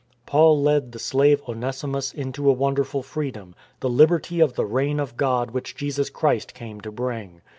Paul led the slave Onesimus into a wonderful freedom, the liberty of the Reign of God which Jesus Christ came to bring.